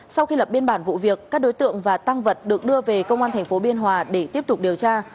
sau khi lập biên bản vụ việc các đối tượng và tăng vật được đưa về công an tp biên hòa để tiếp tục điều tra